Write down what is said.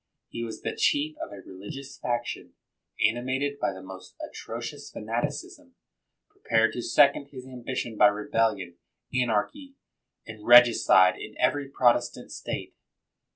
He was the chief of a religious faction, animated by the most atrocious fanaticism, prepared to second his ambition by rebellion, anarchy, and regicide in every Protestant state.